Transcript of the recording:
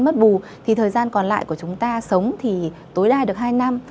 mất bù thì thời gian còn lại của chúng ta sống thì tối đa được hai năm